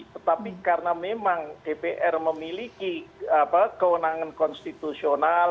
tetapi karena memang dpr memiliki kewenangan konstitusional